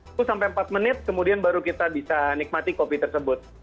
itu sampai empat menit kemudian baru kita bisa nikmati kopi tersebut